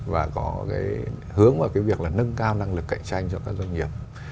và có hướng vào việc nâng cao năng lực cạnh tranh cho các doanh nghiệp